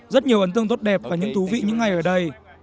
rất nhiều ấn tương tốt đẹp và những thú vị những ngày ở đây